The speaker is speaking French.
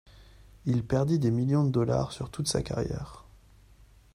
Il perdit des millions de dollars sur toute sa carrière.